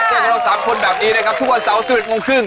เจอกับเรา๓คนแบบนี้นะครับทุกวัน๑๑๓๐น